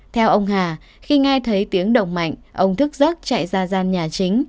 theo ông hà khi nghe thấy tiếng đồng mạnh ông thức giấc chạy ra gian nhà chính